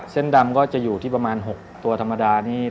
เส้นดำก็จะอยู่ที่ประมาณ๖ตัวธรรมดานี่